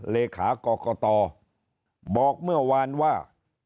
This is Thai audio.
เลขากรกตบอกเมื่อวานว่า